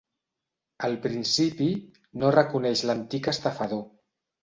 Al principi, no reconeix l'antic estafador.